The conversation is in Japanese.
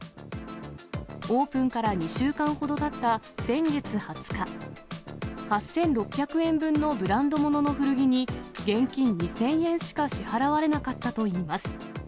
オープンから２週間ほどたった先月２０日、８６００円分のブランド物の古着に、現金２０００円しか支払われなかったといいます。